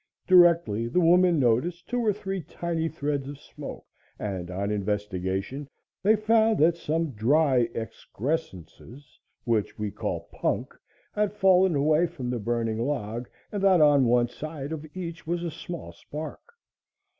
Directly the woman noticed two or three tiny threads of smoke, and on investigation they found that some dry excrescences, which we call "punk," had fallen away from the burning log and that on one side of each was a small spark.